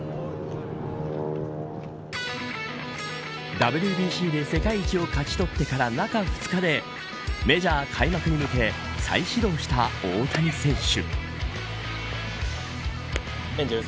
ＷＢＣで世界一を勝ち取ってから中２日でメジャー開幕に向け再始動した大谷選手。